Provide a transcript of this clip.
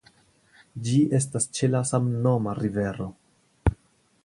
Ĝi estas ĉe la samnoma rivero.